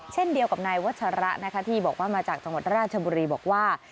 เช่นเดียวกับนายวัชระนะคะที่บอกว่ามาจากจังหวัดราชบุรีบอกว่า